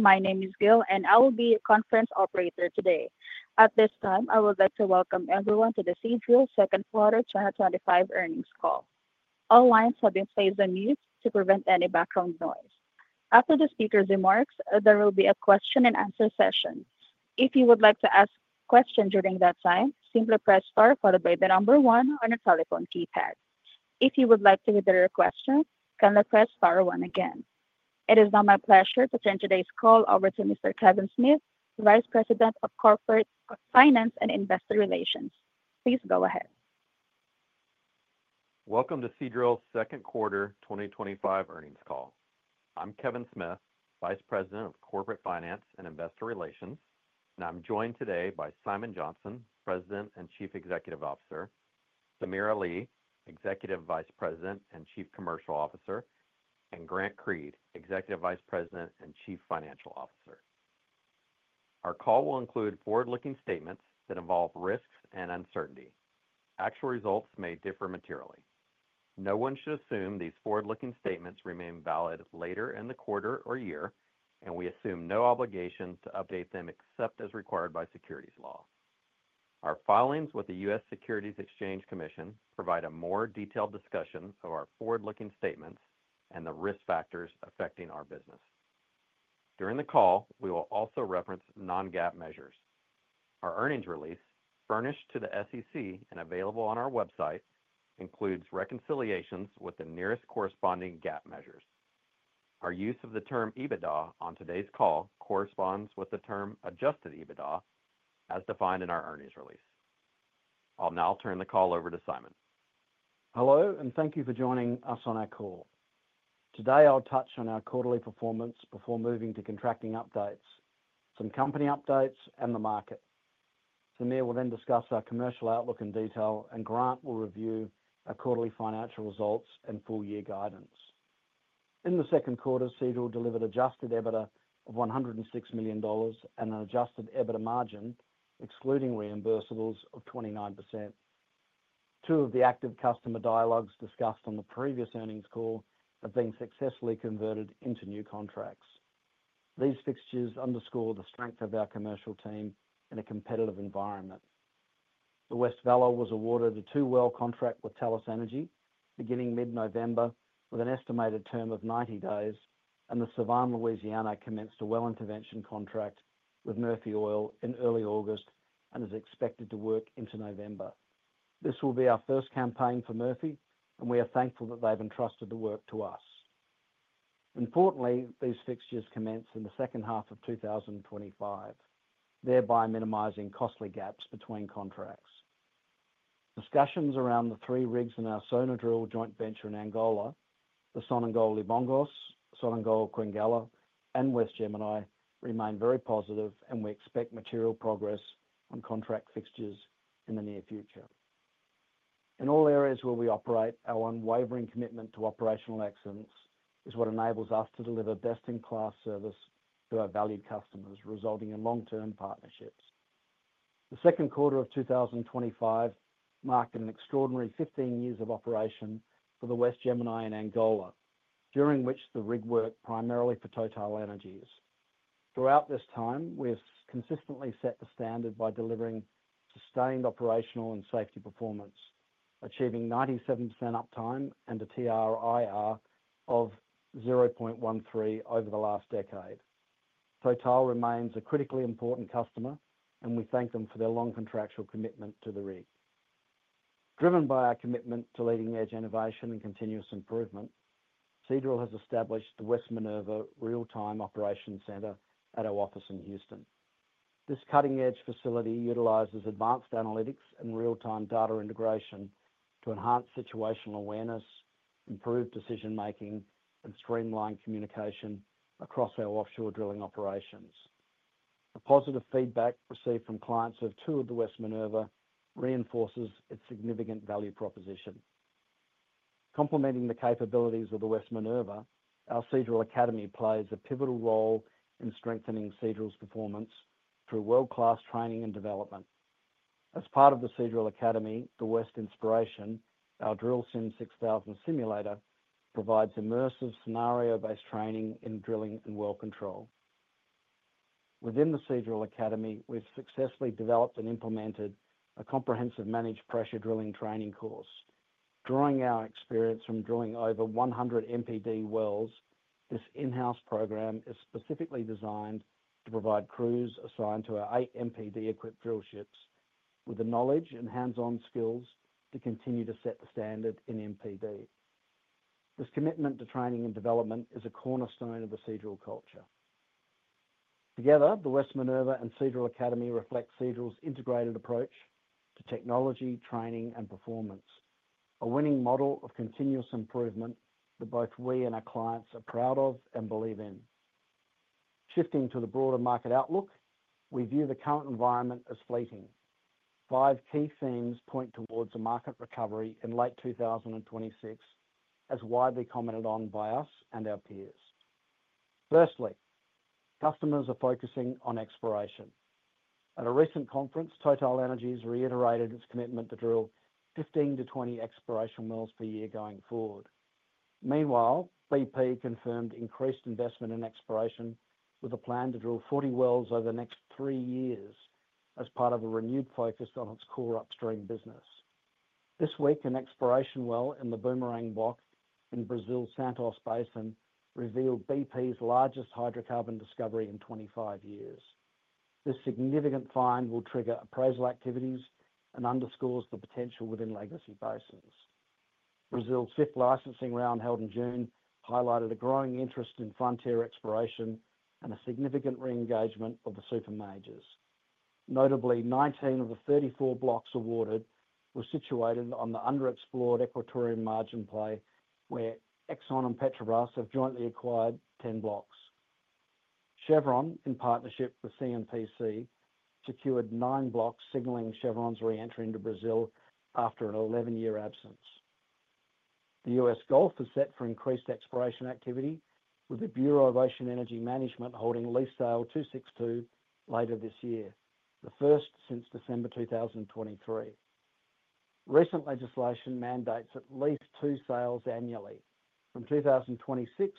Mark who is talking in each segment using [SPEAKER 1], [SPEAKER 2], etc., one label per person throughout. [SPEAKER 1] My name is Gil, and I will be your conference operator today. At this time, I would like to welcome everyone to the Seadrill Second Quarter 2025 Earnings Call. All lines have been placed on mute to prevent any background noise. After the speaker's remarks, there will be a question and answer session. If you would like to ask a question during that time, simply press star followed by the number one on your telephone keypad. If you would like to repeat your question, kindly press star one again. It is now my pleasure to turn today's call over to Mr. Kevin Smith, Vice President of Corporate Finance and Investor Relations. Please go ahead.
[SPEAKER 2] Welcome to Seadrill's Second Quarter 2025 Earnings Call. I'm Kevin Smith, Vice President of Corporate Finance and Investor Relations, and I'm joined today by Simon Johnson, President and Chief Executive Officer, Samir Ali, Executive Vice President and Chief Commercial Officer, and Grant Creed, Executive Vice President and Chief Financial Officer. Our call will include forward-looking statements that involve risks and uncertainty. Actual results may differ materially. No one should assume these forward-looking statements remain valid later in the quarter or year, and we assume no obligation to update them except as required by securities law. Our filings with the U.S. Securities Exchange Commission provide a more detailed discussion of our forward-looking statements and the risk factors affecting our business. During the call, we will also reference non-GAAP measures. Our earnings release, furnished to the SEC and available on our website, includes reconciliations with the nearest corresponding GAAP measures. Our use of the term EBITDA on today's call corresponds with the term adjusted EBITDA as defined in our earnings release. I'll now turn the call over to Simon.
[SPEAKER 3] Hello, and thank you for joining us on our call. Today, I'll touch on our quarterly performance before moving to contracting updates, some company updates, and the market. Samir will then discuss our commercial outlook in detail, and Grant will review our quarterly financial results and full-year guidance. In the second quarter, Seadrill delivered an adjusted EBITDA of $106 million and an adjusted EBITDA margin excluding reimbursables of 29%. Two of the active customer dialogues discussed on the previous earnings call have been successfully converted into new contracts. These fixtures underscore the strength of our commercial team in a competitive environment. The West Vela was awarded a two-well contract with Talos Energy beginning mid-November with an estimated term of 90 days, and the Sevan Louisiana commenced a well intervention contract with Murphy Oil in early August and is expected to work into November. This will be our first campaign for Murphy, and we are thankful that they have entrusted the work to us. Importantly, these fixtures commence in the second half of 2025, thereby minimizing costly gaps between contracts. Discussions around the three rigs in our Sonadrill Joint Venture in Angola, the Sonangol Libongos, Sonangol Quenguela, and West Gemini, remain very positive, and we expect material progress on contract fixtures in the near future. In all areas where we operate, our unwavering commitment to operational excellence is what enables us to deliver best-in-class service to our valued customers, resulting in long-term partnerships. The second quarter of 2025 marked an extraordinary 15 years of operation for the West Gemini in Angola, during which the rig worked primarily for TotalEnergies. Throughout this time, we have consistently set the standard by delivering sustained operational and safety performance, achieving 97% uptime and a TRIR of 0.13 over the last decade. Total remains a critically important customer, and we thank them for their long contractual commitment to the rig. Driven by our commitment to leading-edge innovation and continuous improvement, Seadrill has established the West Minerva real-time operations center at our office in Houston. This cutting-edge facility utilizes advanced analytics and real-time data integration to enhance situational awareness, improve decision-making, and streamline communication across our offshore drilling operations. The positive feedback received from clients who have toured the West Minerva reinforces its significant value proposition. Complementing the capabilities of the West Minerva, our Seadrill Academy plays a pivotal role in strengthening Seadrill's performance through world-class training and development. As part of the Seadrill Academy, the West Inspiration, our DrillSIM:6000 simulator provides immersive scenario-based training in drilling and well control. Within the Seadrill Academy, we've successfully developed and implemented a comprehensive managed pressure drilling training course. Drawing our experience from drilling over 100 MPD wells, this in-house program is specifically designed to provide crews assigned to our eight MPD-equipped drillships with the knowledge and hands-on skills to continue to set the standard in MPD. This commitment to training and development is a cornerstone of the Seadrill culture. Together, the West Minerva and Seadrill Academy reflect Seadrill's integrated approach to technology, training, and performance, a winning model of continuous improvement that both we and our clients are proud of and believe in. Shifting to the broader market outlook, we view the current environment as fleeting. Five key themes point towards a market recovery in late 2026, as widely commented on by us and our peers. Firstly, customers are focusing on exploration. At a recent conference, TotalEnergies reiterated its commitment to drill 15-20 exploration wells per year going forward. Meanwhile, BP confirmed increased investment in exploration with a plan to drill 40 wells over the next three years as part of a renewed focus on its core upstream business. This week, an exploration well in the Bumerangue Block in Brazil's Santos Basin revealed BP's largest hydrocarbon discovery in 25 years. This significant find will trigger appraisal activities and underscores the potential within legacy basins. Brazil's fifth licensing round held in June highlighted a growing interest in frontier exploration and a significant re-engagement of the super majors. Notably, 19 of the 34 blocks awarded were situated on the underexplored Equatorial Margin Play, where Exxon and Petrobras have jointly acquired 10 blocks. Chevron, in partnership with CNPC, secured nine blocks, signaling Chevron's re-entry into Brazil after an 11-year absence. The U.S. Gulf is set for increased exploration activity, with the Bureau of Ocean Energy Management holding lease sale 262 later this year, the first since December 2023. Recent legislation mandates at least two sales annually from 2026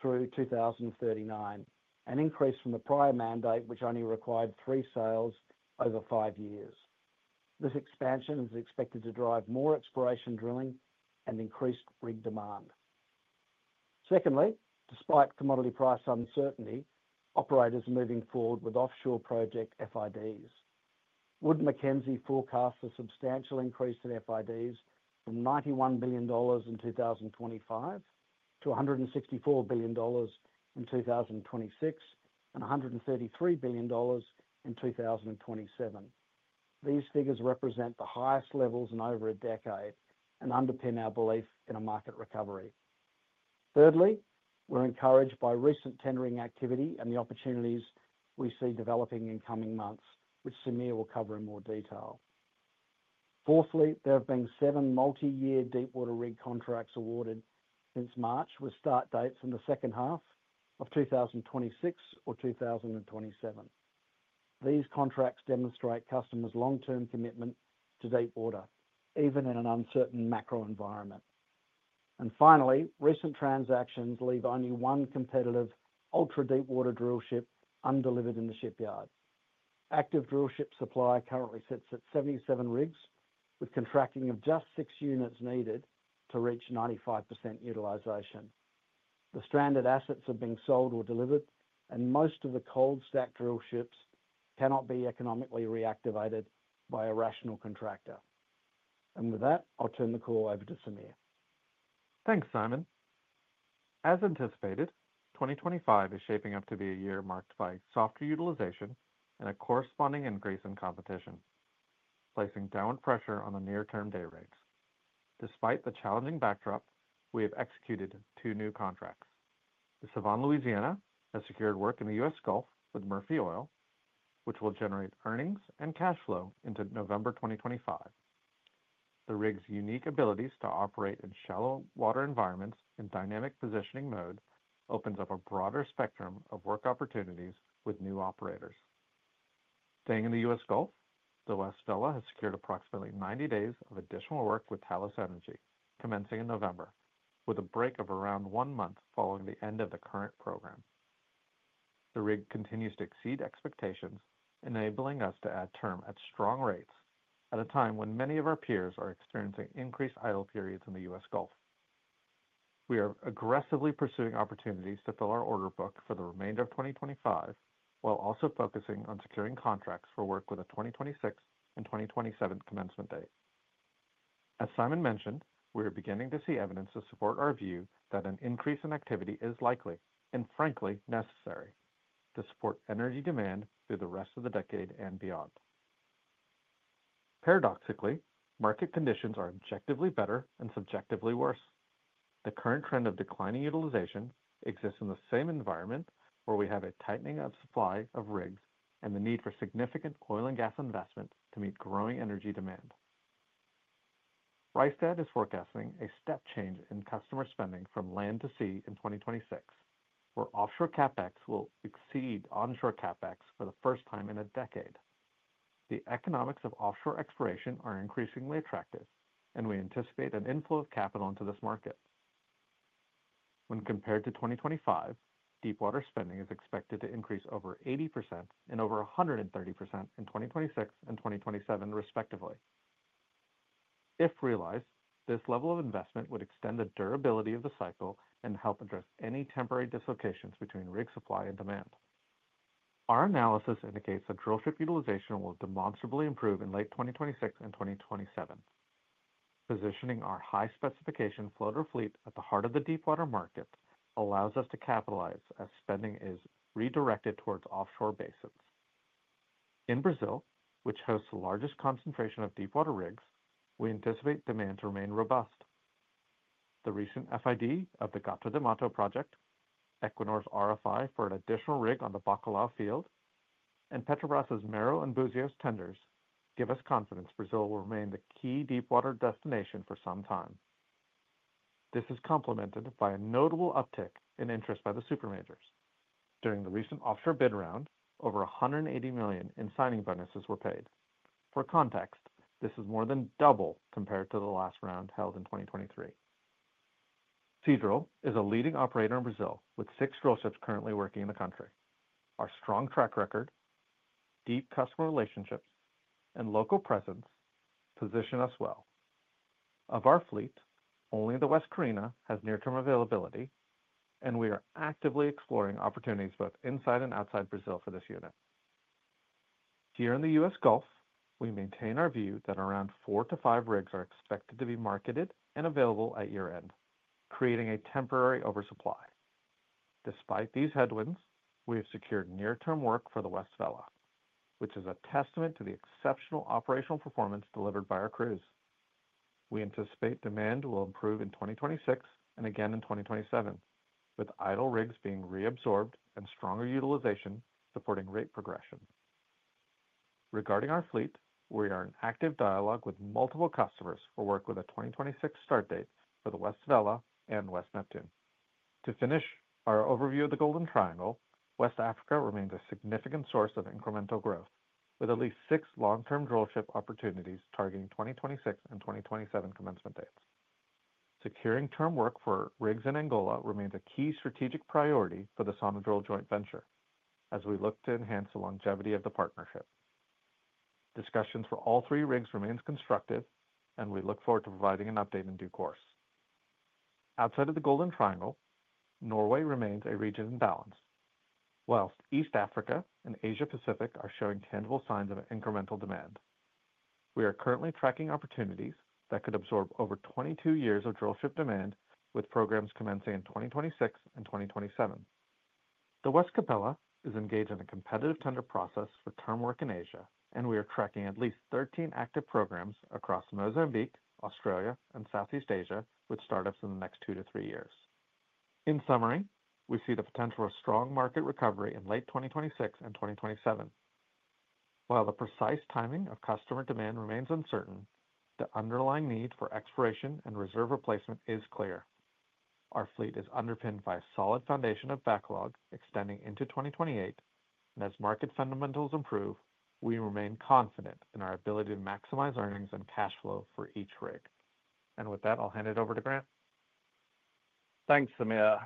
[SPEAKER 3] through 2039, an increase from the prior mandate which only required three sales over five years. This expansion is expected to drive more exploration drilling and increased rig demand. Secondly, despite commodity price uncertainty, operators are moving forward with offshore project FIDs. Wood Mackenzie forecasts a substantial increase in FIDs from $91 billion in 2025 to $164 billion in 2026 and $133 billion in 2027. These figures represent the highest levels in over a decade and underpin our belief in a market recovery. Thirdly, we're encouraged by recent tendering activity and the opportunities we see developing in coming months, which Samir will cover in more detail. Fourthly, there have been seven multi-year deepwater rig contracts awarded since March, with start dates in the second half of 2026 or 2027. These contracts demonstrate customers' long-term commitment to deepwater, even in an uncertain macro environment. Finally, recent transactions leave only one competitive ultra-deepwater drillship undelivered in the shipyard. Active drillship supply currently sits at 77 rigs, with contracting of just six units needed to reach 95% utilization. The stranded assets have been sold or delivered, and most of the cold-stacked drillships cannot be economically reactivated by a rational contractor. With that, I'll turn the call over to Samir.
[SPEAKER 4] Thanks, Simon. As anticipated, 2025 is shaping up to be a year marked by softer utilization and a corresponding increase in competition, placing downward pressure on the near-term day rates. Despite the challenging backdrop, we have executed two new contracts. The Sevan Louisiana has secured work in the U.S. Gulf with Murphy Oil, which will generate earnings and cash flow into November 2025. The rig's unique abilities to operate in shallow water environments in dynamic positioning mode open up a broader spectrum of work opportunities with new operators. Staying in the U.S. Gulf, the West Vela has secured approximately 90 days of additional work with Talos Energy, commencing in November, with a break of around one month following the end of the current program. The rig continues to exceed expectations, enabling us to add term at strong rates at a time when many of our peers are experiencing increased idle periods in the U.S. Gulf. We are aggressively pursuing opportunities to fill our order book for the remainder of 2025, while also focusing on securing contracts for work with a 2026 and 2027 commencement date. As Simon mentioned, we are beginning to see evidence to support our view that an increase in activity is likely and frankly necessary to support energy demand through the rest of the decade and beyond. Paradoxically, market conditions are objectively better and subjectively worse. The current trend of declining utilization exists in the same environment where we have a tightening of supply of rigs and the need for significant oil and gas investment to meet growing energy demand. Rystad is forecasting a step change in customer spending from land to sea in 2026, where offshore CapEx will exceed onshore CapEx for the first time in a decade. The economics of offshore exploration are increasingly attractive, and we anticipate an inflow of capital into this market. When compared to 2025, deepwater spending is expected to increase over 80% and over 130% in 2026 and 2027, respectively. If realized, this level of investment would extend the durability of the cycle and help address any temporary dislocations between rig supply and demand. Our analysis indicates that drillship utilization will demonstrably improve in late 2026 and 2027. Positioning our high-specification floater fleet at the heart of the deepwater market allows us to capitalize as spending is redirected towards offshore basins. In Brazil, which hosts the largest concentration of deepwater rigs, we anticipate demand to remain robust. The recent FID of the Gato do Mato project, Equinor's RFI for an additional rig on the Bacalhau field, and Petrobras's Mero and Búzios tenders give us confidence Brazil will remain the key deepwater destination for some time. This is complemented by a notable uptick in interest by the super majors. During the recent offshore bid round, over $180 million in signing bonuses were paid. For context, this is more than double compared to the last round held in 2023. Seadrill is a leading operator in Brazil with six drillships currently working in the country. Our strong track record, deep customer relationships, and local presence position us well. Of our fleet, only the West Carina has near-term availability, and we are actively exploring opportunities both inside and outside Brazil for this unit. Here in the U.S. Gulf, we maintain our view that around four to five rigs are expected to be marketed and available at year-end, creating a temporary oversupply. Despite these headwinds, we have secured near-term work for the West Vela, which is a testament to the exceptional operational performance delivered by our crews. We anticipate demand will improve in 2026 and again in 2027, with idle rigs being reabsorbed and stronger utilization supporting rate progression. Regarding our fleet, we are in active dialogue with multiple customers for work with a 2026 start date for the West Vela and West Neptune. To finish our overview of the Golden Triangle, West Africa remains a significant source of incremental growth, with at least six long-term drillship opportunities targeting 2026 and 2027 commencement dates. Securing term work for rigs in Angola remains a key strategic priority for the Sonadrill Joint Venture, as we look to enhance the longevity of the partnership. Discussions for all three rigs remain constructive, and we look forward to providing an update in due course. Outside of the Golden Triangle, Norway remains a region in balance, while East Africa and Asia-Pacific are showing tangible signs of incremental demand. We are currently tracking opportunities that could absorb over 22 years of drillship demand, with programs commencing in 2026 and 2027. The West Capella is engaged in a competitive tender process for term work in Asia, and we are tracking at least 13 active programs across Mozambique, Australia, and Southeast Asia with startups in the next two to three years. In summary, we see the potential for strong market recovery in late 2026 and 2027. While the precise timing of customer demand remains uncertain, the underlying need for exploration and reserve replacement is clear. Our fleet is underpinned by a solid foundation of backlog extending into 2028, and as market fundamentals improve, we remain confident in our ability to maximize earnings and cash flow for each rig. With that, I'll hand it over to Grant.
[SPEAKER 5] Thanks, Samir.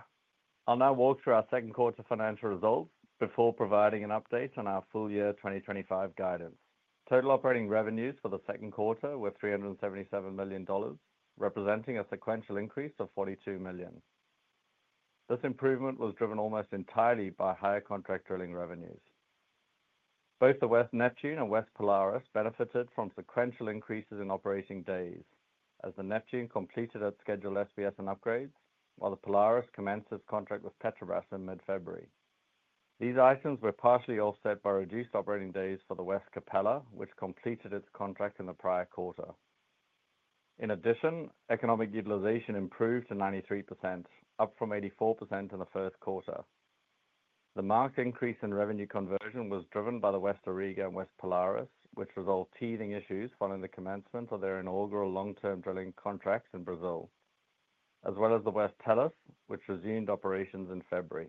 [SPEAKER 5] I'll now walk through our second quarter financial results before providing an update on our full-year 2025 guidance. Total operating revenues for the second quarter were $377 million, representing a sequential increase of $42 million. This improvement was driven almost entirely by higher contract drilling revenues. Both the West Neptune and West Polaris benefited from sequential increases in operating days, as the Neptune completed its scheduled SPS and upgrade, while the Polaris commenced its contract with Petrobras in mid-February. These items were partially offset by reduced operating days for the West Capella, which completed its contract in the prior quarter. In addition, economic utilization improved to 93%, up from 84% in the first quarter. The marked increase in revenue conversion was driven by the West Auriga and West Polaris, which resolved teething issues following the commencement of their inaugural long-term drilling contracts in Brazil, as well as the West Tellus, which resumed operations in February.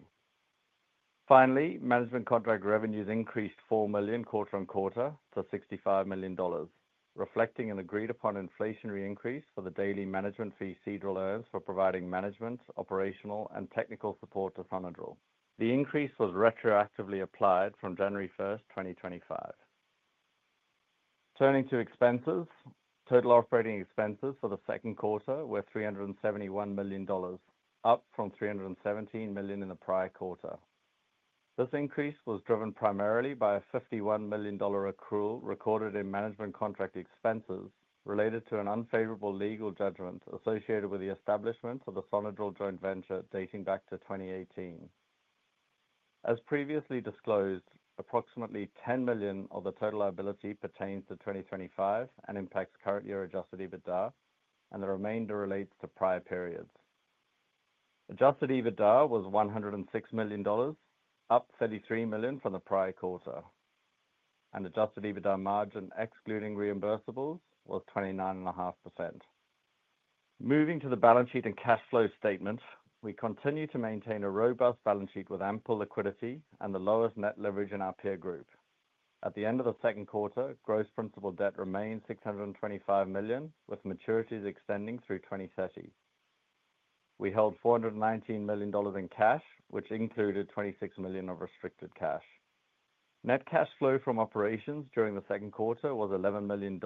[SPEAKER 5] Finally, management contract revenues increased $4 million quarter on quarter to $65 million, reflecting an agreed-upon inflationary increase for the daily management fee Seadrill earns for providing management, operational, and technical support to Sonadrill. The increase was retroactively applied from January 1st, 2025. Turning to expenses, total operating expenses for the second quarter were $371 million, up from $317 million in the prior quarter. This increase was driven primarily by a $51 million accrual recorded in management contract expenses related to an unfavorable legal judgment associated with the establishment of the Sonadrill Joint Venture back to 2018. As previously disclosed, approximately $10 million of the total liability pertains to 2025 and impacts current year adjusted EBITDA, and the remainder relates to prior periods. Adjusted EBITDA was $106 million, up $33 million from the prior quarter, and adjusted EBITDA margin excluding reimbursables was 29.5%. Moving to the balance sheet and cash flow statement, we continue to maintain a robust balance sheet with ample liquidity and the lowest net leverage in our peer group. At the end of the second quarter, gross principal debt remains $625 million, with maturities extending through 2030. We held $419 million in cash, which included $26 million of restricted cash. Net cash flow from operations during the second quarter was $11 million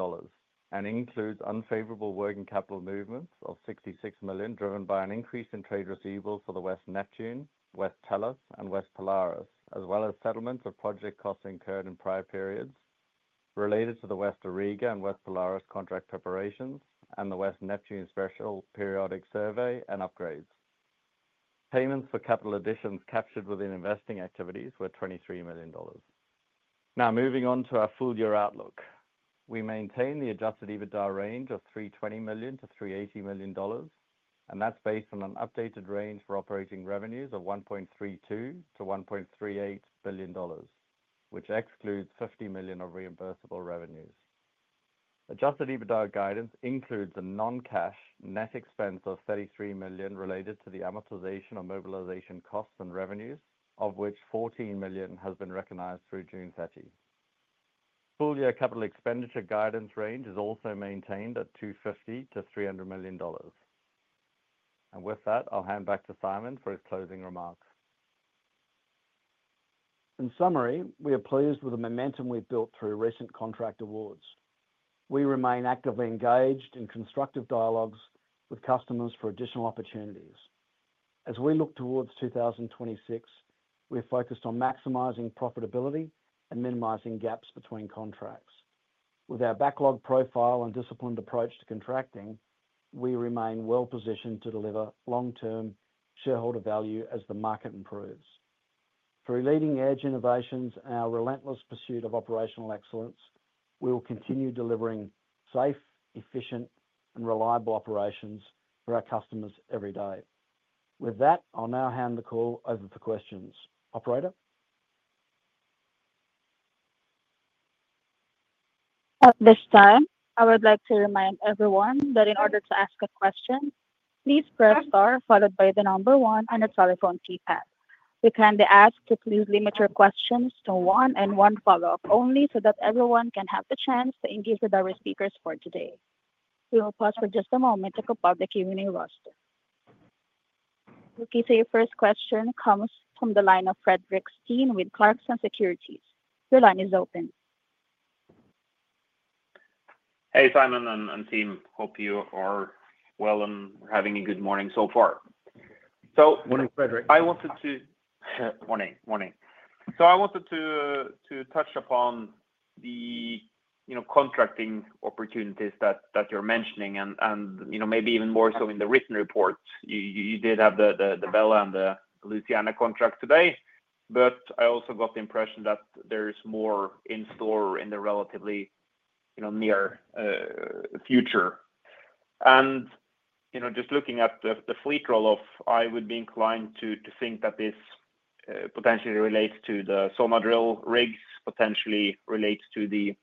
[SPEAKER 5] and includes unfavorable working capital movements of $66 million, driven by an increase in trade receivables for the West Neptune, West Tellus, and West Polaris, as well as settlements of project costs incurred in prior periods related to the West Auriga and West Polaris contract preparations and the West Neptune special periodic survey and upgrades. Payments for capital additions captured within investing activities were $23 million. Now, moving on to our full-year outlook, we maintain the adjusted EBITDA range of $320 million-$380 million, and that's based on an updated range for operating revenues of $1.32 billion-1.38 billion, which excludes $50 million of reimbursable revenues. Adjusted EBITDA guidance includes a non-cash net expense of $33 million related to the amortization of mobilization costs and revenues, of which $14 million has been recognized through June 30. Full-year capital expenditure guidance range is also maintained at $250 million-$300 million. With that, I'll hand back to Simon for his closing remarks.
[SPEAKER 3] In summary, we are pleased with the momentum we've built through recent contract awards. We remain actively engaged in constructive dialogues with customers for additional opportunities. As we look towards 2026, we're focused on maximizing profitability and minimizing gaps between contracts. With our backlog profile and disciplined approach to contracting, we remain well-positioned to deliver long-term shareholder value as the market improves. Through leading-edge innovations and our relentless pursuit of operational excellence, we will continue delivering safe, efficient, and reliable operations for our customers every day. With that, I'll now hand the call over to questions. Operator?
[SPEAKER 1] At this time, I would like to remind everyone that in order to ask a question, please press star followed by the number one on your telephone keypad. We kindly ask to please limit your questions to one and one follow-up only so that everyone can have the chance to engage with our speakers for today. We will pause for just a moment. Okay sir, your first question comes from the line of Fredrik Stene with Clarksons Securities. Your line is open.
[SPEAKER 6] Hey, Simon and team. Hope you are well and we're having a good morning so far.
[SPEAKER 3] Morning, Fredrik.
[SPEAKER 6] Morning, morning. I wanted to touch upon the contracting opportunities that you're mentioning, and maybe even more so in the written report. You did have the Vela and the Louisiana contract today, but I also got the impression that there is more in store in the relatively near future. Just looking at the fleet roll-off, I would be inclined to think that this potentially relates to the Sonadrill rigs, potentially relates to the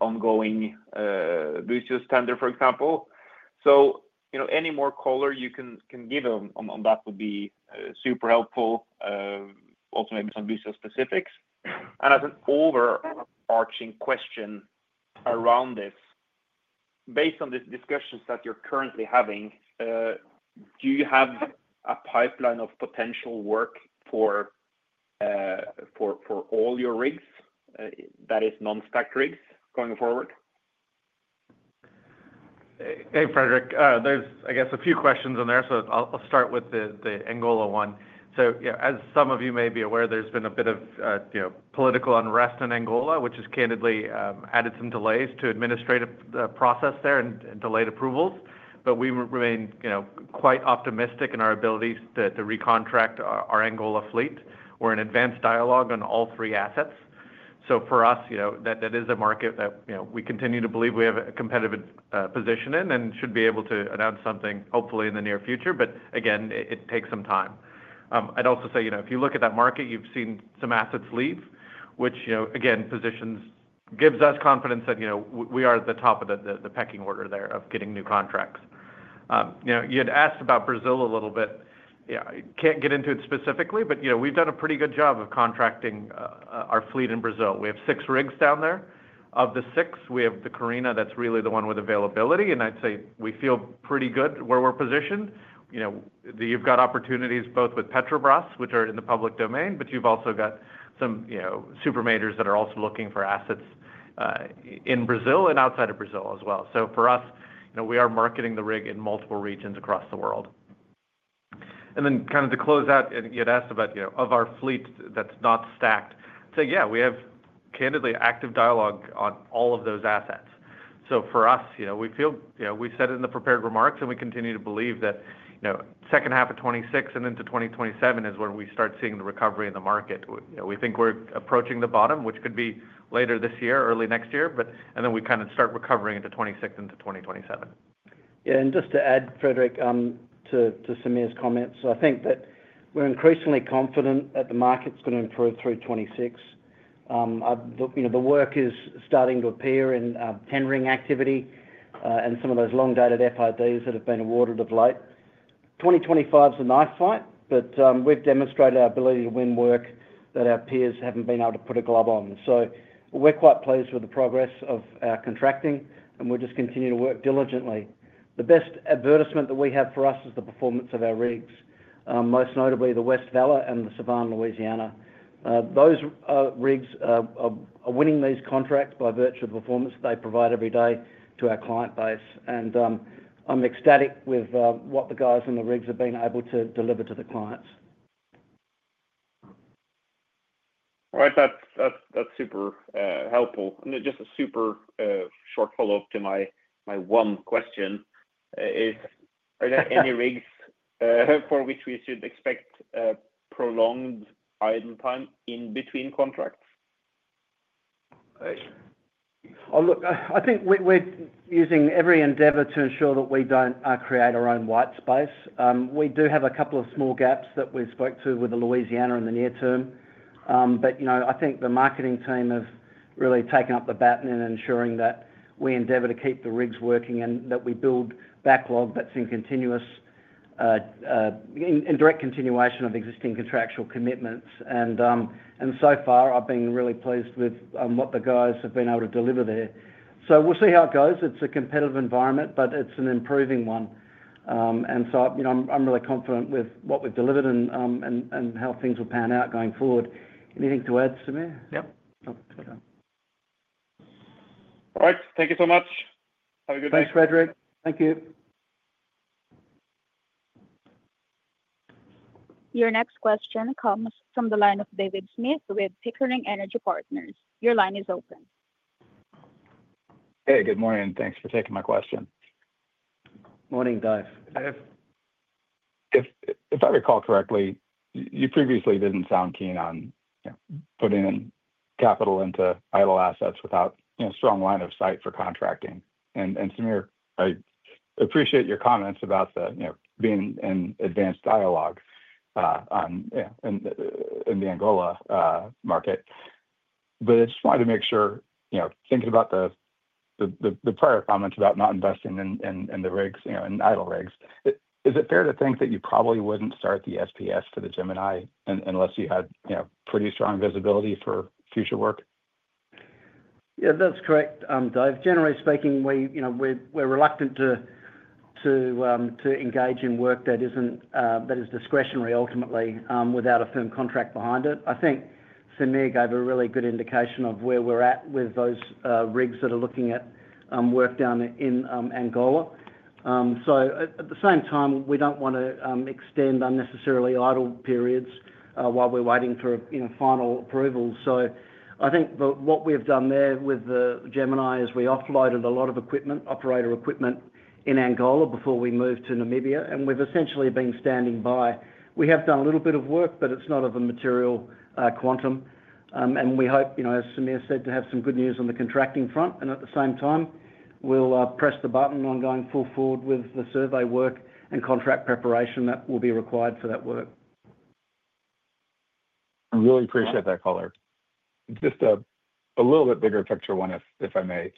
[SPEAKER 6] ongoing Búzios tender, for example. Any more color you can give on that would be super helpful. Also, maybe some Búzios specifics. As an overarching question around this, based on the discussions that you're currently having, do you have a pipeline of potential work for all your rigs, that is non-stack rigs, going forward?
[SPEAKER 4] Hey, Fredrik. There's, I guess, a few questions in there. I'll start with the Angola one. As some of you may be aware, there's been a bit of political unrest in Angola, which has candidly added some delays to the administrative process there and delayed approvals. We remain quite optimistic in our abilities to recontract our Angola fleet. We're in advanced dialogue on all three assets. For us, that is a market that we continue to believe we have a competitive position in and should be able to announce something hopefully in the near future. It takes some time. I'd also say, if you look at that market, you've seen some assets leave, which again gives us confidence that we are at the top of the pecking order there of getting new contracts. You had asked about Brazil a little bit. I can't get into it specifically, but we've done a pretty good job of contracting our fleet in Brazil. We have six rigs down there. Of the six, we have the Carina that's really the one with availability. I'd say we feel pretty good where we're positioned. You've got opportunities both with Petrobras, which are in the public domain, but you've also got some super majors that are also looking for assets in Brazil and outside of Brazil as well. For us, we are marketing the rig in multiple regions across the world. To close out, you had asked about our fleet that's not stacked. We have candidly active dialogue on all of those assets. For us, we feel, as we said in the prepared remarks, and we continue to believe that the second half of 2026 and into 2027 is when we start seeing the recovery in the market. We think we're approaching the bottom, which could be later this year or early next year, and then we start recovering into 2026 and into 2027.
[SPEAKER 3] Yeah, and just to add, Fredrik, to Samir's comments, I think that we're increasingly confident that the market's going to improve through 2026. You know, the work is starting to appear in tendering activity, and some of those long-dated FIDs that have been awarded of late. 2025 is a knife fight, but we've demonstrated our ability to win work that our peers haven't been able to put a glove on. We're quite pleased with the progress of our contracting, and we're just continuing to work diligently. The best advertisement that we have for us is the performance of our rigs, most notably the West Vela and the Sevan Louisiana. Those rigs are winning these contracts by virtue of the performance that they provide every day to our client base. I'm ecstatic with what the guys on the rigs have been able to deliver to the clients.
[SPEAKER 6] All right, that's super helpful. Just a super short follow-up to my one question. Is, are there any rigs for which we should expect prolonged idle time in between contracts?
[SPEAKER 3] I think we're using every endeavor to ensure that we don't create our own white space. We do have a couple of small gaps that we spoke to with the Sevan Louisiana in the near term. I think the marketing team has really taken up the baton in ensuring that we endeavor to keep the rigs working and that we build backlog that's in continuous, in direct continuation of existing contractual commitments. So far, I've been really pleased with what the guys have been able to deliver there. We'll see how it goes. It's a competitive environment, but it's an improving one. I'm really confident with what we've delivered and how things will pan out going forward. Anything to add, Samir?
[SPEAKER 4] No.
[SPEAKER 6] All right, thank you so much. Have a good day.
[SPEAKER 3] Thanks, Fredrik. Thank you.
[SPEAKER 1] Your next question comes from the line of David Smith with Pickering Energy Partners. Your line is open.
[SPEAKER 7] Hey, good morning. Thanks for taking my question.
[SPEAKER 3] Morning, Dave.
[SPEAKER 7] If I recall correctly, you previously didn't sound keen on putting in capital into idle assets without a strong line of sight for contracting. Samir, I appreciate your comments about being in advanced dialogue in the Angola market. I just wanted to make sure, thinking about the prior comments about not investing in the rigs, in idle rigs, is it fair to think that you probably wouldn't start the SPS for the Gemini unless you had pretty strong visibility for future work?
[SPEAKER 3] Yeah, that's correct, Dave. Generally speaking, we're reluctant to engage in work that is discretionary, ultimately, without a firm contract behind it. I think Samir gave a really good indication of where we're at with those rigs that are looking at work down in Angola. At the same time, we don't want to extend unnecessarily idle periods while we're waiting for final approvals. I think what we've done there with the Gemini is we offloaded a lot of operator equipment in Angola before we moved to Namibia, and we've essentially been standing by. We have done a little bit of work, but it's not of a material quantum. We hope, as Samir said, to have some good news on the contracting front, and at the same time, we'll press the button on going full forward with the survey work and contract preparation that will be required for that work.
[SPEAKER 7] I really appreciate that color. Just a little bit bigger picture one, if I may.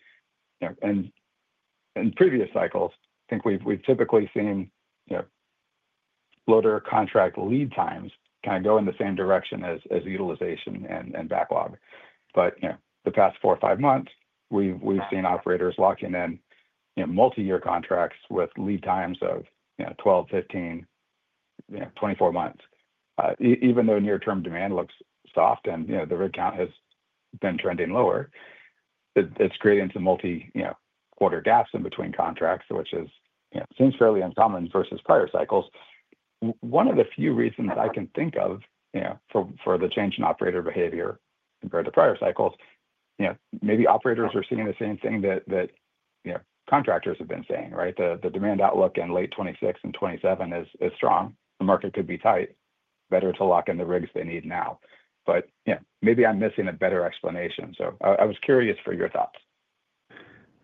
[SPEAKER 7] In previous cycles, I think we've typically seen floater contract lead times kind of go in the same direction as utilization and backlog. In the past four or five months, we've seen operators locking in multi-year contracts with lead times of 12, 15, 24 months. Even though near-term demand looks soft and the rig count has been trending lower, it's creating some multi-quarter gaps in between contracts, which seems fairly uncommon versus prior cycles. One of the few reasons that I can think of for the change in operator behavior compared to prior cycles, maybe operators are seeing the same thing that contractors have been saying, right? The demand outlook in late 2026 and 2027 is strong. The market could be tight. Better to lock in the rigs they need now. Maybe I'm missing a better explanation. I was curious for your thoughts.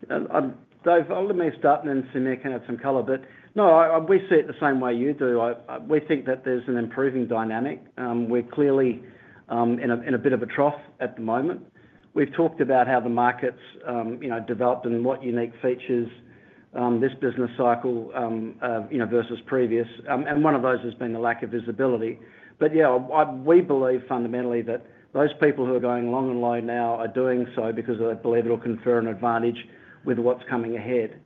[SPEAKER 3] Dave, I'll let me start and then Samir can add some color. No, we see it the same way you do. We think that there's an improving dynamic. We're clearly in a bit of a trough at the moment. We've talked about how the market's, you know, developed and what unique features this business cycle, you know, versus previous. One of those has been the lack of visibility. Yeah, we believe fundamentally that those people who are going long and low now are doing so because they believe it'll confer an advantage with what's coming ahead.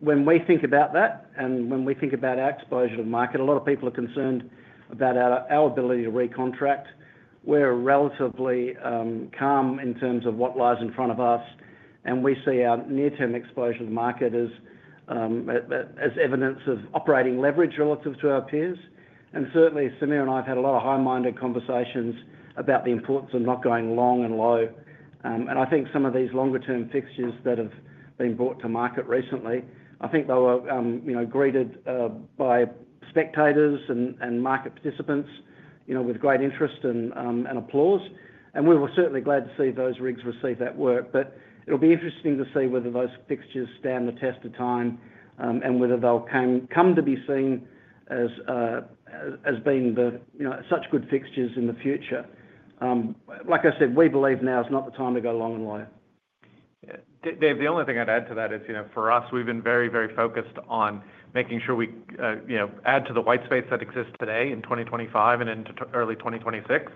[SPEAKER 3] When we think about that and when we think about our exposure to the market, a lot of people are concerned about our ability to recontract. We're relatively calm in terms of what lies in front of us. We see our near-term exposure to the market as evidence of operating leverage relative to our peers. Certainly, Samir and I have had a lot of high-minded conversations about the importance of not going long and low. I think some of these longer-term fixtures that have been brought to market recently, I think they were greeted by spectators and market participants with great interest and applause. We were certainly glad to see those rigs receive that work. It'll be interesting to see whether those fixtures stand the test of time, and whether they'll come to be seen as being such good fixtures in the future. Like I said, we believe now is not the time to go long and low.
[SPEAKER 4] Dave, the only thing I'd add to that is, for us, we've been very, very focused on making sure we add to the white space that exists today in 2025 and into early 2026.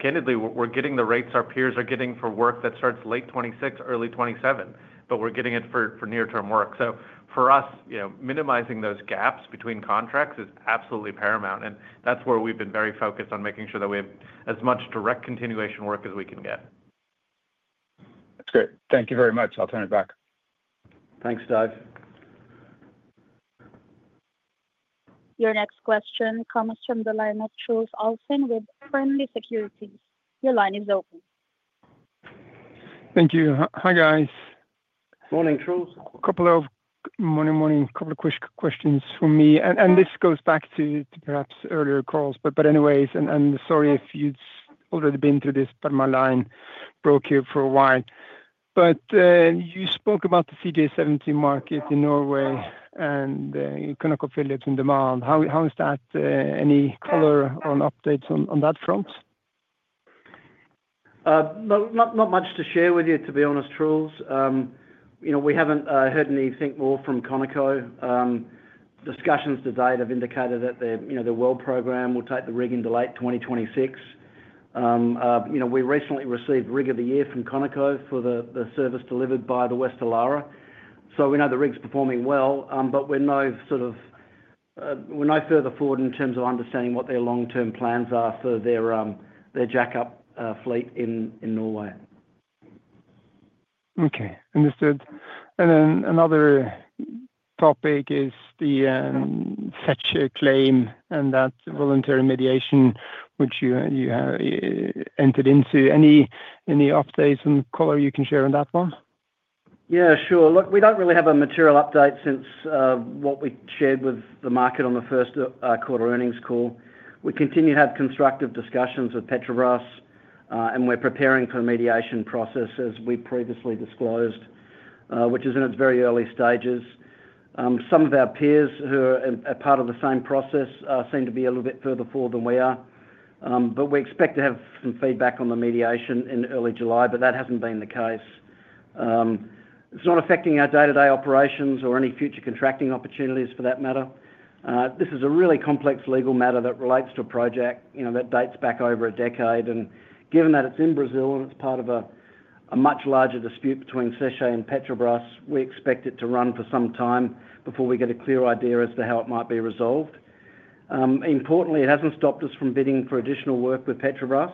[SPEAKER 4] Candidly, we're getting the rates our peers are getting for work that starts late 2026, early 2027, but we're getting it for near-term work. For us, minimizing those gaps between contracts is absolutely paramount. That's where we've been very focused on making sure that we have as much direct continuation work as we can get.
[SPEAKER 7] That's great. Thank you very much. I'll turn it back.
[SPEAKER 3] Thanks, Dave.
[SPEAKER 1] Your next question comes from the line of Truls Olsen with Fearnley Securities. Your line is open.
[SPEAKER 8] Thank you. Hi, guys.
[SPEAKER 3] Morning, Truls.
[SPEAKER 8] Morning. A couple of quick questions from me. This goes back to perhaps earlier calls. Sorry if you've already been through this, but my line broke you for a while. You spoke about the CJ70 market in Norway and ConocoPhillips in demand. How is that? Any color on updates on that front?
[SPEAKER 3] Not much to share with you, to be honest, Truls. We haven't heard anything more from Conoco. Discussions to date have indicated that the well program will take the rig into late 2026. We recently received Rig of the Year from Conoco for the service delivered by the West Elara. We know the rig's performing well, but we're no further forward in terms of understanding what their long-term plans are for their jackup fleet in Norway.
[SPEAKER 8] Okay, understood. Another topic is the Sete claim and that voluntary mediation which you have entered into. Any updates from the color you can share on that one?
[SPEAKER 3] Yeah, sure. Look, we don't really have a material update since what we shared with the market on the first quarter earnings call. We continue to have constructive discussions with Petrobras, and we're preparing for the mediation process, as we previously disclosed, which is in its very early stages. Some of our peers who are part of the same process seem to be a little bit further forward than we are. We expect to have some feedback on the mediation in early July, but that hasn't been the case. It's not affecting our day-to-day operations or any future contracting opportunities for that matter. This is a really complex legal matter that relates to a project that dates back over a decade. Given that it's in Brazil and it's part of a much larger dispute between Sete and Petrobras, we expect it to run for some time before we get a clear idea as to how it might be resolved. Importantly, it hasn't stopped us from bidding for additional work with Petrobras.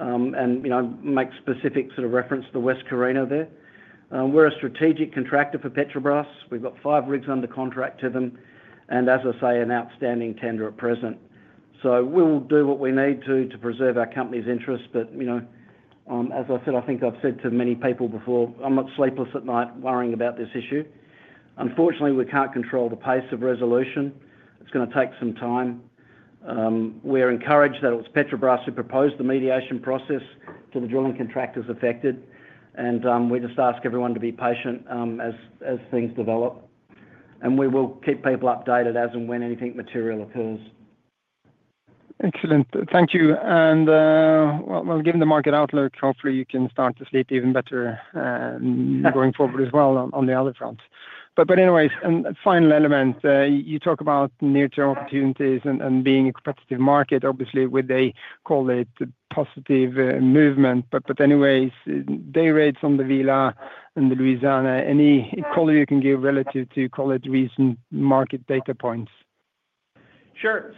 [SPEAKER 3] I make specific sort of reference to the West Carina there. We're a strategic contractor for Petrobras. We've got five rigs under contract to them, and, as I say, an outstanding tender at present. We will do what we need to to preserve our company's interests. As I said, I think I've said to many people before, I'm not sleepless at night worrying about this issue. Unfortunately, we can't control the pace of resolution. It's going to take some time. We're encouraged that it was Petrobras who proposed the mediation process to the drilling contractors affected. We just ask everyone to be patient as things develop, and we will keep people updated as and when anything material occurs.
[SPEAKER 8] Excellent. Thank you. Given the market outlook, hopefully you can start to sleep even better going forward as well on the other front. Anyways, the final element, you talk about near-term opportunities and being a competitive market, obviously with a, call it, positive movement. Anyways, day rates on the Vela and the Louisiana, any color you can give relative to, call it, recent market data points?
[SPEAKER 4] Sure.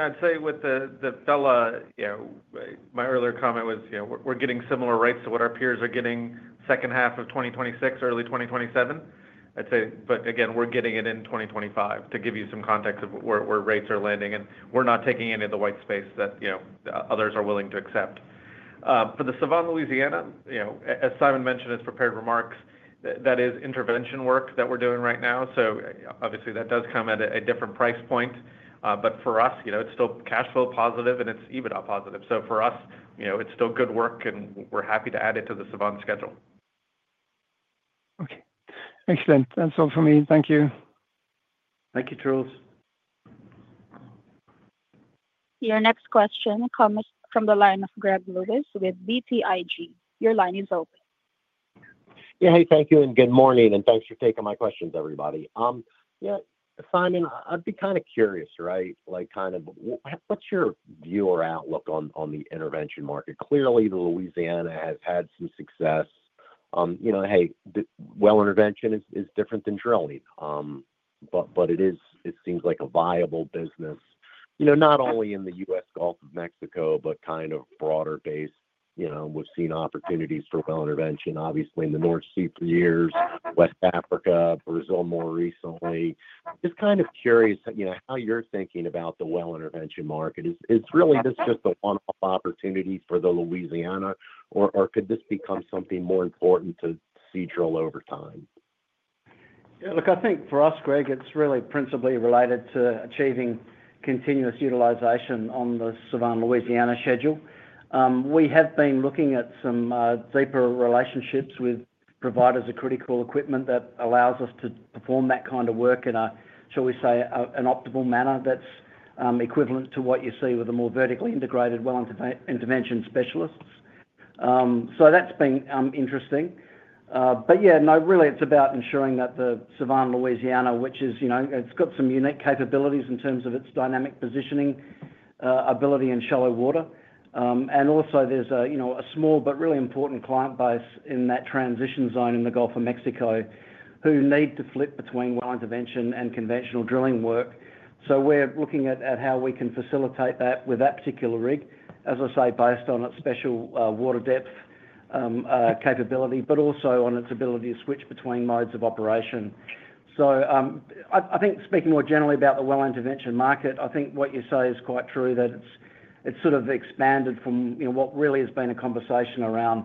[SPEAKER 4] I'd say with the Vela, my earlier comment was we're getting similar rates to what our peers are getting second half of 2026, early 2027. I'd say, again, we're getting it in 2025 to give you some context of where rates are landing. We're not taking any of the white space that others are willing to accept. For the Sevan Louisiana, as Simon mentioned in his prepared remarks, that is intervention work that we're doing right now. Obviously, that does come at a different price point. For us, it's still cash flow positive and it's EBITDA positive. For us, it's still good work and we're happy to add it to the Sevan schedule.
[SPEAKER 8] Okay. Excellent. That's all for me. Thank you.
[SPEAKER 3] Thank you, Truls.
[SPEAKER 1] Your next question comes from the line of Greg Lewis with BTIG. Your line is open.
[SPEAKER 9] Yeah, hey, thank you and good morning and thanks for taking my questions, everybody. Simon, I'd be kind of curious, right? Like kind of what's your view or outlook on the intervention market? Clearly, the Louisiana has had some success. Well intervention is different than drilling, but it seems like a viable business, not only in the U.S. Gulf of Mexico, but kind of broader based. We've seen opportunities for well intervention, obviously in the North Sea for years, West Africa, Brazil more recently. Just kind of curious how you're thinking about the well intervention market. Is really this just a one-off opportunity for the Sevan Louisiana, or could this become something more important to Seadrill over time?
[SPEAKER 3] Yeah, look, I think for us, Greg, it's really principally related to achieving continuous utilization on the Sevan Louisiana schedule. We have been looking at some deeper relationships with providers of critical equipment that allows us to perform that kind of work in, shall we say, an optimal manner that's equivalent to what you see with a more vertically integrated well intervention specialist. That's been interesting. No, really, it's about ensuring that the Sevan Louisiana, which is, you know, it's got some unique capabilities in terms of its dynamic positioning ability in shallow water. Also, there's a small but really important client base in that transition zone in the Gulf of Mexico who need to flip between well intervention and conventional drilling work. We're looking at how we can facilitate that with that particular rig, as I say, based on its special water depth capability, but also on its ability to switch between modes of operation. I think speaking more generally about the well intervention market, what you say is quite true that it's sort of expanded from what really has been a conversation around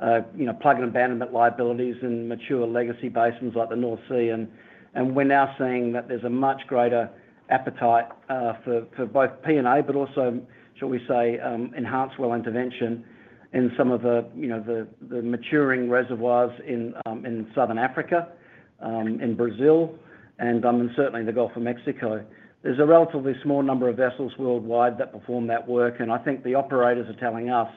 [SPEAKER 3] plug and abandonment liabilities and mature legacy basins like the North Sea. We're now seeing that there's a much greater appetite for both P&A, but also, shall we say, enhanced well intervention in some of the maturing reservoirs in Southern Africa, in Brazil, and certainly in the Gulf of Mexico. There's a relatively small number of vessels worldwide that perform that work. I think the operators are telling us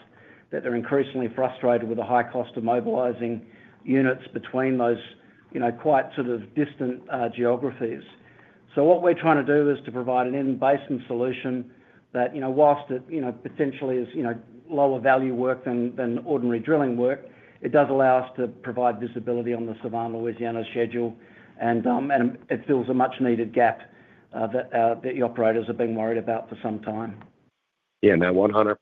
[SPEAKER 3] that they're increasingly frustrated with the high cost of mobilizing units between those quite sort of distant geographies. What we're trying to do is to provide an in-basin solution that, whilst it potentially is lower value work than ordinary drilling work, it does allow us to provide visibility on the Sevan Louisiana schedule. It fills a much-needed gap that the operators have been worried about for some time.
[SPEAKER 9] Yeah, no, 100%.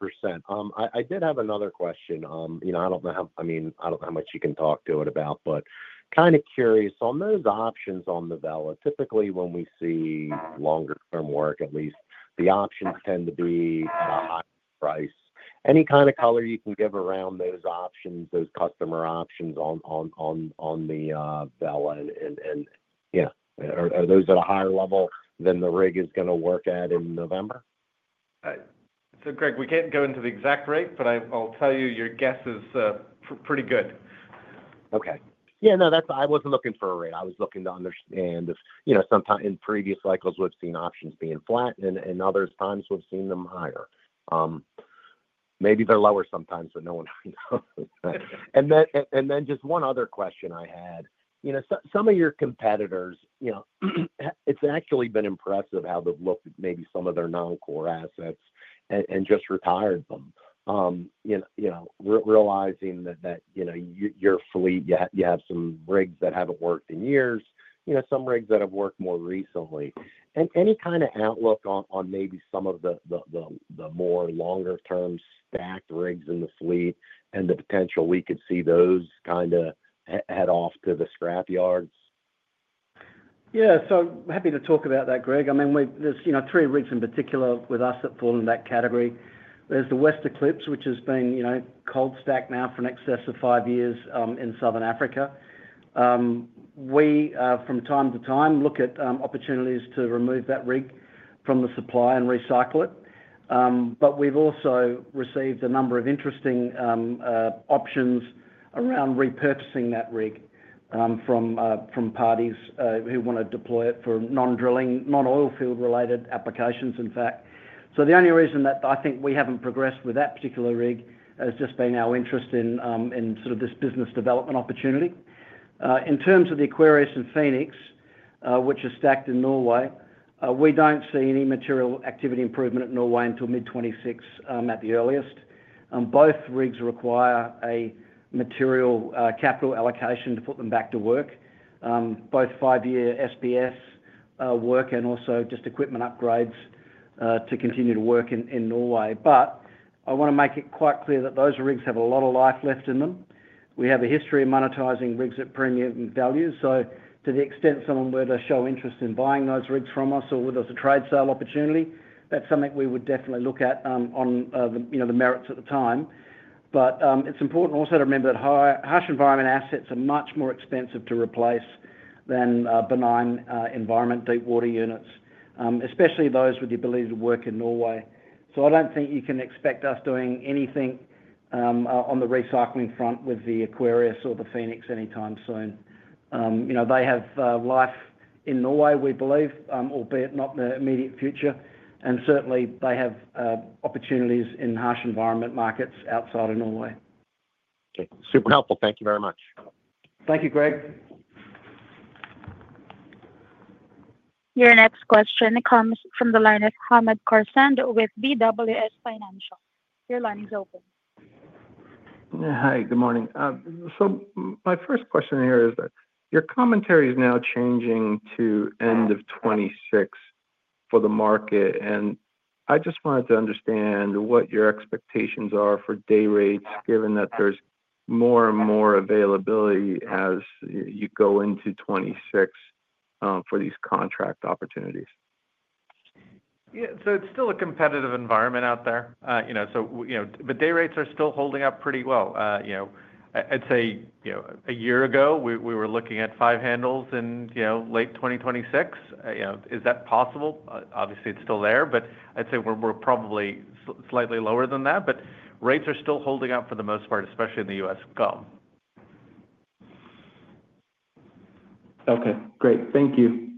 [SPEAKER 9] I did have another question. I don't know how much you can talk to it about, but kind of curious. On those options on the Vela, typically when we see longer-term work, at least the options tend to be a high price. Any kind of color you can give around those options, those customer options on the Vela, and yeah, are those at a higher level than the rig is going to work at in November?
[SPEAKER 4] Greg, we can't go into the exact rate, but I'll tell you your guess is pretty good.
[SPEAKER 9] Okay. Yeah, no, that's—I wasn't looking for a rate. I was looking to understand if, you know, sometimes in previous cycles we've seen options being flat and other times we've seen them higher. Maybe they're lower sometimes, but no one really knows. Just one other question I had. You know, some of your competitors, you know, it's actually been impressive how they've looked at maybe some of their non-core assets and just retired them. Realizing that, you know, your fleet, you have some rigs that haven't worked in years, you know, some rigs that have worked more recently. Any kind of outlook on maybe some of the more longer-term stacked rigs in the fleet and the potential we could see those kind of head off to the scrap yards?
[SPEAKER 3] Yeah, happy to talk about that, Greg. I mean, there are three rigs in particular with us that fall in that category. There is the West Eclipse, which has been cold stacked now for in excess of five years in Southern Africa. We, from time to time, look at opportunities to remove that rig from the supply and recycle it. We've also received a number of interesting options around repurposing that rig from parties who want to deploy it for non-drilling, non-oil field-related applications, in fact. The only reason that I think we haven't progressed with that particular rig has just been our interest in this business development opportunity. In terms of the Aquarius and Phoenix, which are stacked in Norway, we don't see any material activity improvement at Norway until mid-2026 at the earliest. Both rigs require a material capital allocation to put them back to work, both five-year SPS work and also equipment upgrades to continue to work in Norway. I want to make it quite clear that those rigs have a lot of life left in them. We have a history of monetizing rigs at premium value. To the extent someone were to show interest in buying those rigs from us or with us a trade sale opportunity, that's something we would definitely look at on the merits at the time. It's important also to remember that harsh environment assets are much more expensive to replace than benign environment deepwater units, especially those with the ability to work in Norway. I don't think you can expect us doing anything on the recycling front with the Aquarius or the Phoenix anytime soon. They have life in Norway, we believe, albeit not in the immediate future. Certainly, they have opportunities in harsh environment markets outside of Norway.
[SPEAKER 9] Okay, super helpful. Thank you very much.
[SPEAKER 3] Thank you, Greg.
[SPEAKER 1] Your next question comes from the line of Hamed Khorsand with BWS Financial. Your line is open.
[SPEAKER 10] Good morning. My first question here is that your commentary is now changing to end of 2026 for the market. I just wanted to understand what your expectations are for day rates, given that there's more and more availability as you go into 2026 for these contract opportunities.
[SPEAKER 4] Yeah, it's still a competitive environment out there, but day rates are still holding up pretty well. I'd say a year ago, we were looking at five handles in late 2026. Is that possible? Obviously, it's still there, but I'd say we're probably slightly lower than that. Rates are still holding up for the most part, especially in the U.S. GOM.
[SPEAKER 10] Okay, great. Thank you.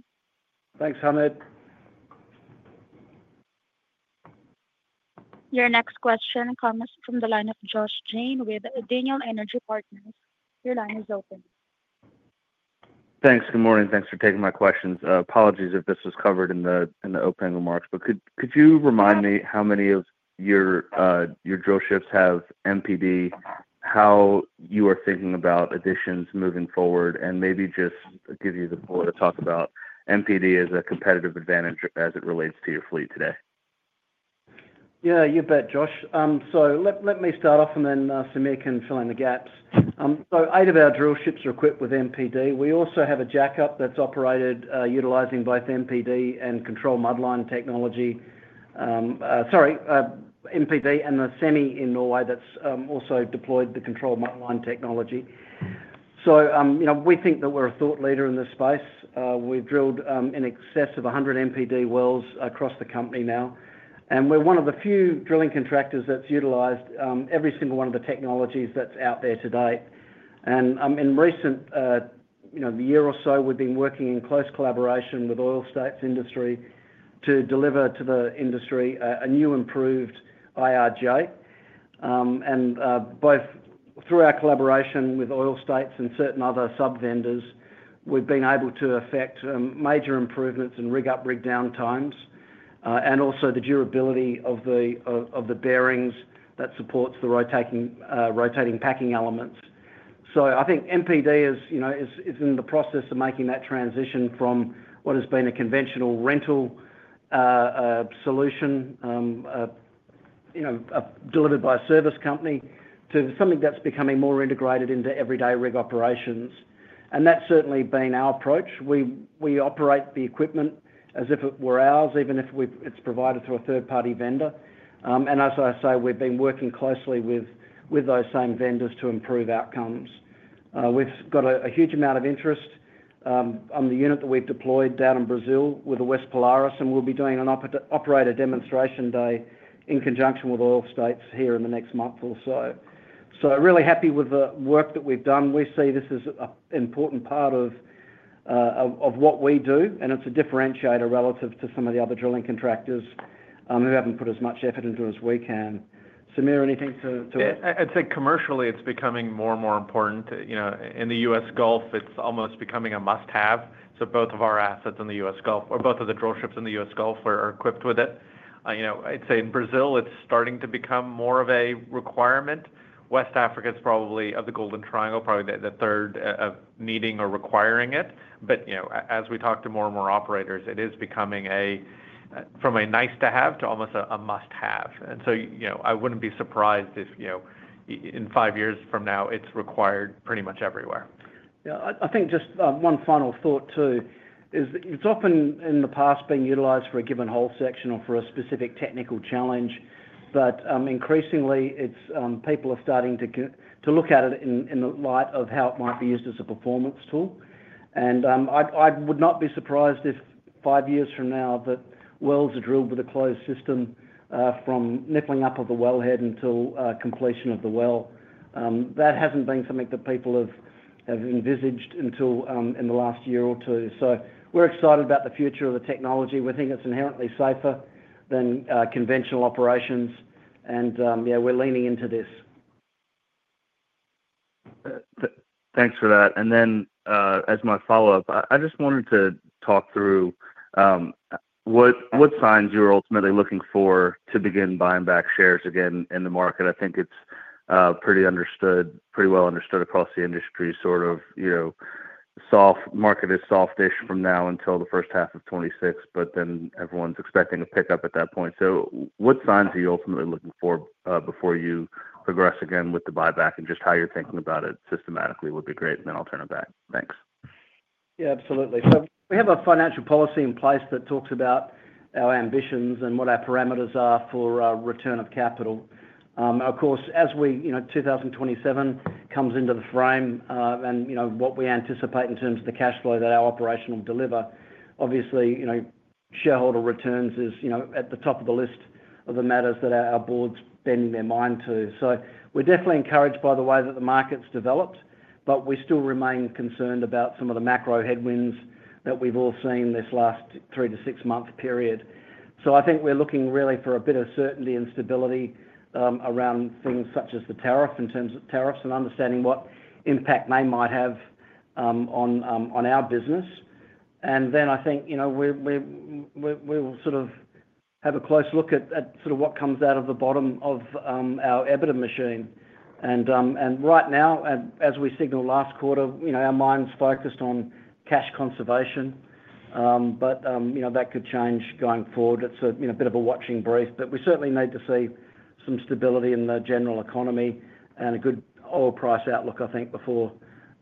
[SPEAKER 3] Thanks, Hamed.
[SPEAKER 1] Your next question comes from the line of Josh Jayne with Daniel Energy Partners. Your line is open.
[SPEAKER 11] Thanks. Good morning. Thanks for taking my questions. Apologies if this was covered in the opening remarks, but could you remind me how many of your drillships have MPD, how you are thinking about additions moving forward, and maybe just give you the floor to talk about MPD as a competitive advantage as it relates to your fleet today?
[SPEAKER 3] Yeah, you bet, Josh. Let me start off and then Samir can fill in the gaps. Eight of our drillships are equipped with MPD. We also have a jackup that's operated utilizing both MPD and Controlled Mudline technology. MPD and the semi in Norway have also deployed the Controlled Mudline technology. We think that we're a thought leader in this space. We've drilled in excess of 100 MPD wells across the company now, and we're one of the few drilling contractors that's utilized every single one of the technologies that's out there today. In the past year or so, we've been working in close collaboration with Oil States Industry to deliver to the industry a new improved IRJ. Both through our collaboration with Oil States and certain other sub-vendors, we've been able to effect major improvements in rig up, rig down times, and also the durability of the bearings that support the rotating packing elements. I think MPD is in the process of making that transition from what has been a conventional rental solution delivered by a service company to something that's becoming more integrated into everyday rig operations. That's certainly been our approach. We operate the equipment as if it were ours, even if it's provided through a third-party vendor. As I say, we've been working closely with those same vendors to improve outcomes. We've got a huge amount of interest on the unit that we've deployed down in Brazil with the West Polaris, and we'll be doing an operator demonstration day in conjunction with Oil States here in the next month or so. I'm really happy with the work that we've done. We see this as an important part of what we do, and it's a differentiator relative to some of the other drilling contractors who haven't put as much effort into it as we can. Samir, anything to add?
[SPEAKER 4] I'd say commercially, it's becoming more and more important. You know, in the U.S. Gulf, it's almost becoming a must-have. Both of our assets in the U.S. Gulf, or both of the drillships in the U.S. Gulf, are equipped with it. I'd say in Brazil, it's starting to become more of a requirement. West Africa is probably, of the Golden Triangle, probably the third of needing or requiring it. As we talk to more and more operators, it is becoming, from a nice-to-have to almost a must-have. I wouldn't be surprised if, in five years from now, it's required pretty much everywhere.
[SPEAKER 3] Yeah, I think just one final thought too is that it's often in the past been utilized for a given whole section or for a specific technical challenge. Increasingly, people are starting to look at it in the light of how it might be used as a performance tool. I would not be surprised if five years from now that wells are drilled with a closed system from nickeling up of the wellhead until completion of the well. That hasn't been something that people have envisaged until in the last year or two. We're excited about the future of the technology. We think it's inherently safer than conventional operations. Yeah, we're leaning into this.
[SPEAKER 11] Thanks for that. As my follow-up, I just wanted to talk through what signs you're ultimately looking for to begin buying back shares again in the market. I think it's pretty well understood across the industry, sort of, you know, the market is softish from now until the first half of 2026, but then everyone's expecting a pickup at that point. What signs are you ultimately looking for before you progress again with the buyback and just how you're thinking about it systematically would be great. I'll turn it back. Thanks.
[SPEAKER 3] Yeah, absolutely. We have a financial policy in place that talks about our ambitions and what our parameters are for return of capital. Of course, as 2027 comes into the frame and what we anticipate in terms of the cash flow that our operation will deliver, obviously, shareholder returns is at the top of the list of the matters that our board's bending their mind to. We're definitely encouraged by the way that the market's developed, but we still remain concerned about some of the macro headwinds that we've all seen this last three to six month period. I think we're looking really for a bit of certainty and stability around things such as the tariff in terms of tariffs and understanding what impact they might have on our business. I think we'll sort of have a close look at what comes out of the bottom of our EBITDA machine. Right now, as we signaled last quarter, our mind's focused on cash conservation. That could change going forward. It's a bit of a watching breeze, but we certainly need to see some stability in the general economy and a good oil price outlook, I think, before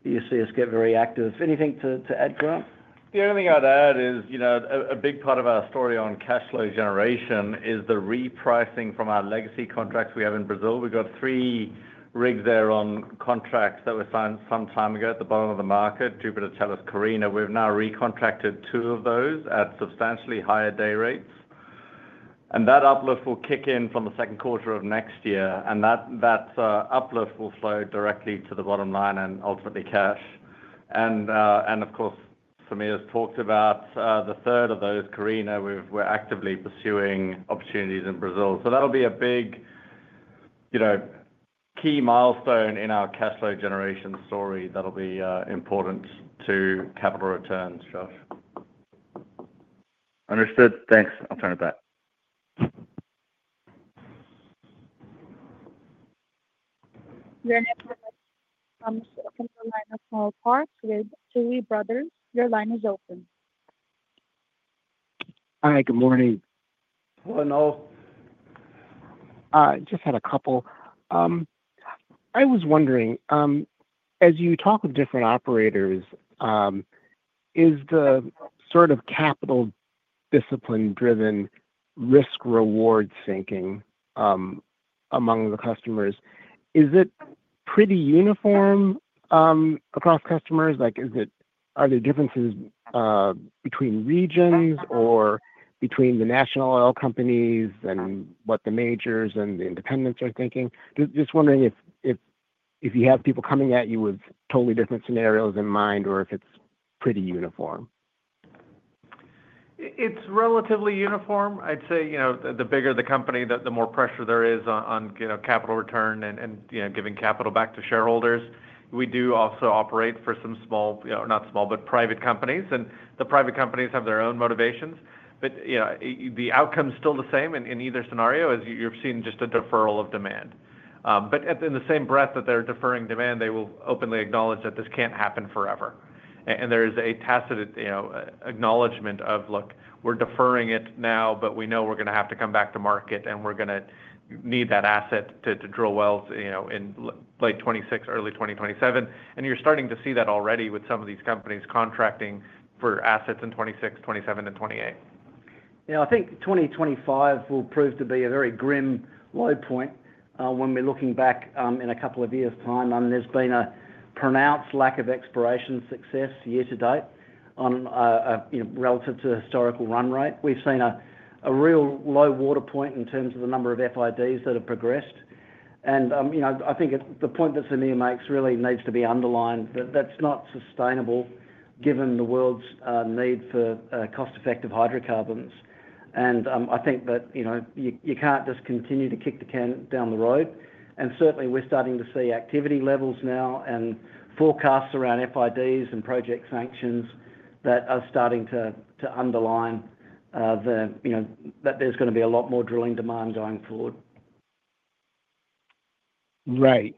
[SPEAKER 3] you see us get very active. Anything to add, Grant?
[SPEAKER 5] The only thing I'd add is, you know, a big part of our story on cash flow generation is the repricing from our legacy Brazilian contracts. We've got three rigs there on contracts that were signed some time ago at the bottom of the market: Jupiter, Tellus, Carina. We've now recontracted two of those at substantially higher day rates. That uplift will kick in from the second quarter of next year, and that uplift will flow directly to the bottom line and ultimately cash. Of course, Samir has talked about the third of those, Carina. We're actively pursuing opportunities in Brazil. That'll be a big, you know, key milestone in our cash flow generation story that'll be important to capital returns, Josh.
[SPEAKER 11] Understood. Thanks. I'll turn it back.
[SPEAKER 1] Your next comes from the line of Noel Parks with Tuohy Brothers. Your line is open.
[SPEAKER 12] Hi, good morning.
[SPEAKER 3] Hello, Noel.
[SPEAKER 12] I just had a couple. I was wondering, as you talk with different operators, is the sort of capital discipline-driven risk-reward thinking among the customers pretty uniform across customers? Are there differences between regions or between the national oil companies and what the majors and the independents are thinking? Just wondering if you have people coming at you with totally different scenarios in mind or if it's pretty uniform.
[SPEAKER 4] It's relatively uniform. I'd say the bigger the company, the more pressure there is on capital return and giving capital back to shareholders. We do also operate for some private companies. The private companies have their own motivations. The outcome is still the same in either scenario, as you've seen just a deferral of demand. In the same breath that they're deferring demand, they will openly acknowledge that this can't happen forever. There is a tacit acknowledgement of, look, we're deferring it now, but we know we're going to have to come back to market and we're going to need that asset to drill wells in late 2026, early 2027. You're starting to see that already with some of these companies contracting for assets in 2026, 2027, and 2028.
[SPEAKER 3] I think 2025 will prove to be a very grim low point when we're looking back in a couple of years' time. There's been a pronounced lack of exploration success year to date relative to historical run rate. We've seen a real low water point in terms of the number of FIDs that have progressed. I think the point that Samir makes really needs to be underlined that that's not sustainable given the world's need for cost-effective hydrocarbons. I think that you can't just continue to kick the can down the road. Certainly, we're starting to see activity levels now and forecasts around FIDs and project sanctions that are starting to underline that there's going to be a lot more drilling demand going forward.
[SPEAKER 12] Right.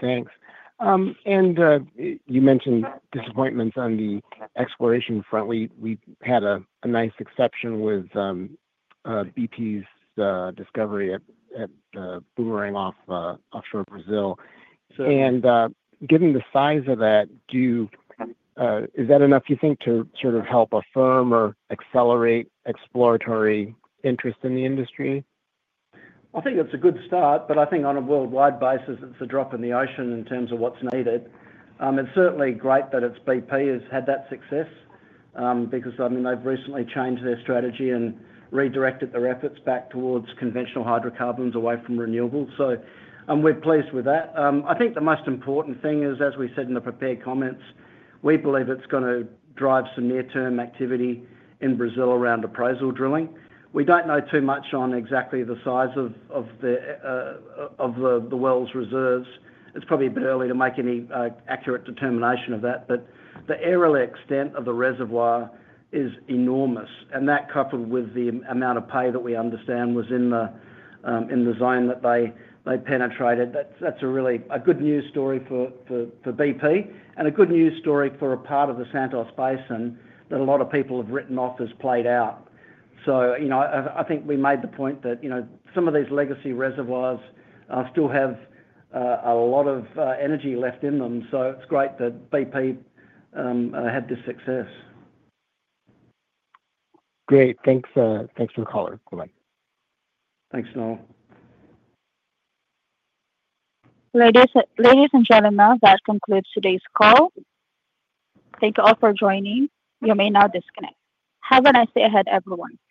[SPEAKER 12] Thanks. You mentioned disappointments on the exploration front. We had a nice exception with BP's discovery at the Bumerangue offshore Brazil. Given the size of that, is that enough, you think, to sort of help affirm or accelerate exploratory interest in the industry?
[SPEAKER 3] I think that's a good start, but I think on a worldwide basis, it's a drop in the ocean in terms of what's needed. It's certainly great that it's BP has had that success because, I mean, they've recently changed their strategy and redirected their efforts back towards conventional hydrocarbons away from renewables. We're pleased with that. I think the most important thing is, as we said in the prepared comments, we believe it's going to drive some near-term activity in Brazil around appraisal drilling. We don't know too much on exactly the size of the wells' reserves. It's probably a bit early to make any accurate determination of that, but the aerial extent of the reservoir is enormous. That, coupled with the amount of pay that we understand was in the zone that they penetrated, that's a really good news story for BP and a good news story for a part of the Santos Basin that a lot of people have written off as played out. I think we made the point that some of these legacy reservoirs still have a lot of energy left in them. It's great that BP had this success.
[SPEAKER 12] Great. Thanks. Thanks for the call. Bye-bye.
[SPEAKER 3] Thanks, Noel.
[SPEAKER 1] Ladies and gentlemen, that concludes today's call. Thank you all for joining. You may now disconnect. Have a nice day ahead, everyone.